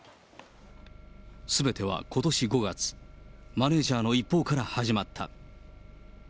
すべてはことし５月、マネージャーの一報から始まった。